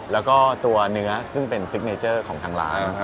แล้วก็ตัวเนื้อซึ่งเป็นซิกเนเจอร์ของทางร้าน